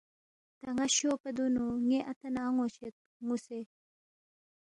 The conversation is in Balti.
تا ن٘ا شیو پا دُونو ن٘ی اتا نہ ان٘و شید نُ٘وسے